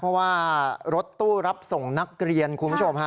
เพราะว่ารถตู้รับส่งนักเรียนคุณผู้ชมฮะ